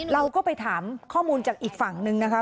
เราก็ไปถามข้อมูลจากอีกฝั่งนึงนะคะ